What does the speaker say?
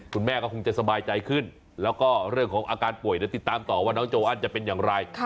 คุณแม่ก็คงจะสบายใจขึ้นแล้วก็เรื่องของอาการป่วยเดี๋ยวติดตามต่อว่าน้องโจอันจะเป็นอย่างไร